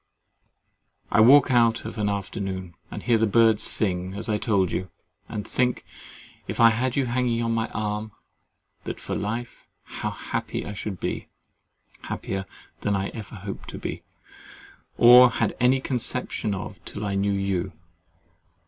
I walk out of an afternoon, and hear the birds sing as I told you, and think, if I had you hanging on my arm, and that for life, how happy I should be—happier than I ever hoped to be, or had any conception of till I knew you.